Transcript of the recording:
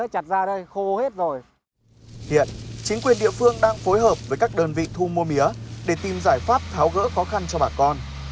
hiện chính quyền địa phương đang phối hợp với các đơn vị thu mua mía để tìm giải pháp tháo gỡ khó khăn cho bà con